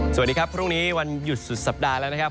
สวัสดีครับพรุ่งนี้วันหยุดสุดสัปดาห์แล้วนะครับ